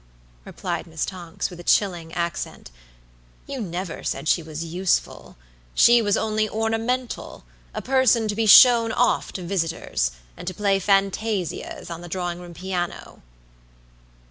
replied Miss Tonks, with a chilling accent, "you never said she was useful. She was only ornamental; a person to be shown off to visitors, and to play fantasias on the drawing room piano."